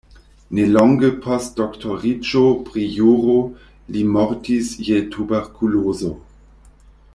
Nelonge post doktoriĝo pri juro li mortis je tuberkulozo.